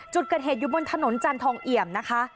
จุดเกิดเหตุอยู่บนถนนจันทองเอี่ยมนะคะ